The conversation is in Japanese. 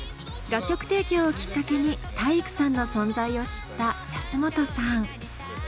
楽曲提供をきっかけに体育さんの存在を知った安本さん。